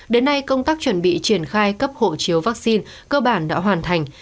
đến nay công tác chuẩn bị triển khai cấp hộ chiếu vaccine cơ bản đã hoàn thành